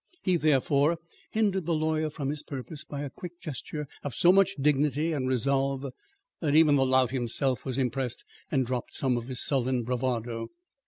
He, therefore, hindered the lawyer from his purpose, by a quick gesture of so much dignity and resolve that even the lout himself was impressed and dropped some of his sullen bravado.